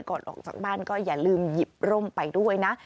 ออกจากบ้านก็อย่าลืมหยิบร่มไปด้วยนะ